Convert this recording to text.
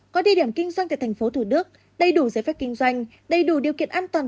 có địa điểm kinh doanh tại thành phố thủ đức đầy đủ giấy phép kinh doanh đầy đủ điều kiện an toàn